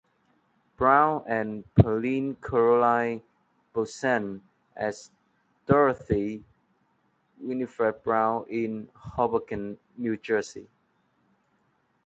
Brown and Pauline Caroline Boesen as Dorothy Winifred Brown in Hoboken, New Jersey.